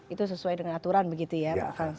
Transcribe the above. itu sesuai dengan aturan begitu ya pak